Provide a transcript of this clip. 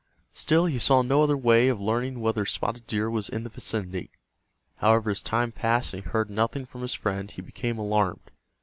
Still he saw no other way of learning whether Spotted Deer was in the vicinity. However, as time passed and he heard nothing from his friend he became alarmed.